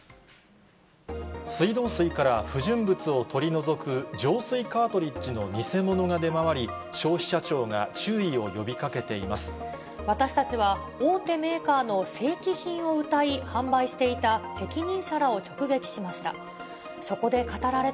水道水から不純物を取り除く、浄水カートリッジの偽物が出回り、消費者庁が注意を呼びかけていま私たちは、大手メーカーの正規品をうたい、販売していた責任者らを直撃しました。